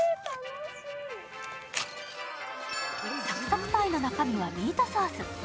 サクサクパイの中身はミートソース。